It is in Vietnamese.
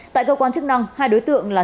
tại cơ quan chức năng hai đối tượng là